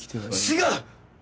違う！